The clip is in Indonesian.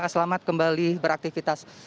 selamat kembali beraktifitas